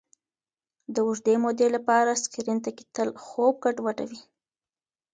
د اوږدې مودې لپاره سکرین ته کتل خوب ګډوډوي.